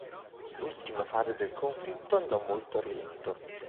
L'ultima fase del conflitto andò molto a rilento.